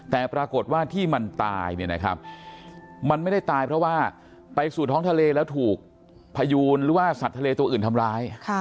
แต่ปรากฏว่าที่มันตายเนี่ยนะครับมันไม่ได้ตายเพราะว่าไปสู่ท้องทะเลแล้วถูกพยูนหรือว่าสัตว์ทะเลตัวอื่นทำร้าย